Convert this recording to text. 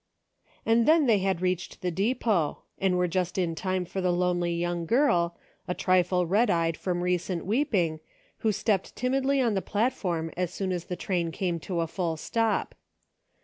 AND then they had reached the depot, and were just in time for the lonely young girl, a trifle red eyed from recent weeping, who stepped timidly on the platform as soon as the train came to a full stop.